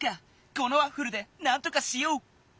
このワッフルでなんとかしよう！